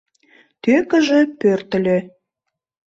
Тӧкыжӧ пӧртыльӧ.